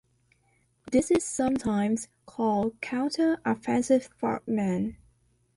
This is sometimes called counter-offensive frogmen.